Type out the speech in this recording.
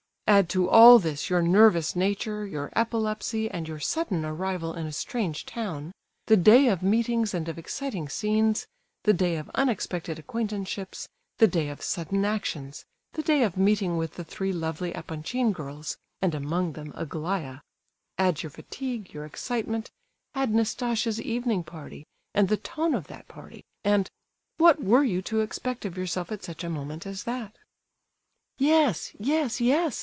"Add to all this your nervous nature, your epilepsy, and your sudden arrival in a strange town—the day of meetings and of exciting scenes, the day of unexpected acquaintanceships, the day of sudden actions, the day of meeting with the three lovely Epanchin girls, and among them Aglaya—add your fatigue, your excitement; add Nastasia' s evening party, and the tone of that party, and—what were you to expect of yourself at such a moment as that?" "Yes, yes, yes!"